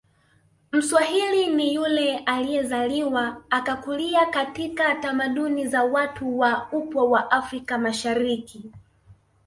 Mswahili ni yule aliyezaliwa akakulia katika tamaduni za watu wa upwa wa afrika mashariki